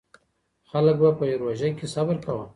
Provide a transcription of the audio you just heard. خلک به په روژه کې صبر کاوه.